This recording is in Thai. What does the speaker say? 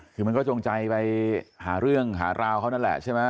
คือมันก็จงใจไปหาเรื่องหาราวเขานั่นแหละใช่ไหม